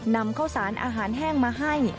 นำข้าวสารอาหารแห้งมาให้